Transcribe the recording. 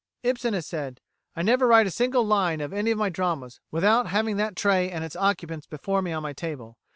Ibsen has said: "I never write a single line of any of my dramas without having that tray and its occupants before me on my table.